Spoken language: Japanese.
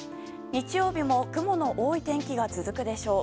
日曜日も雲の多い天気が続くでしょう。